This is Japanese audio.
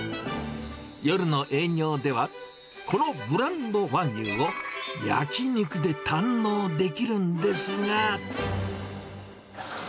夜の営業では、このブランド和牛を焼き肉で堪能できるんですが。